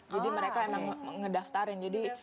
jadi mereka emang ngedaftarin